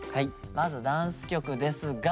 まずダンス曲ですが。